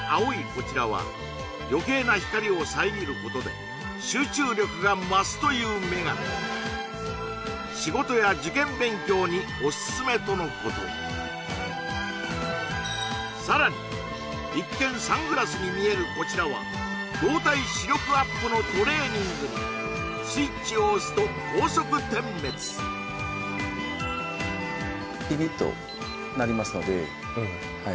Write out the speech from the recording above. こちらは余計な光を遮ることで集中力が増すというメガネ仕事や受験勉強にオススメとのことさらに一見サングラスに見えるこちらは動体視力アップのトレーニングにスイッチを押すと高速点滅ピピッと鳴りますのでは